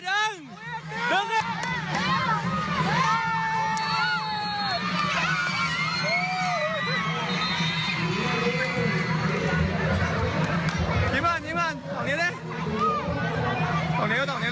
ตรงนี้เร็ว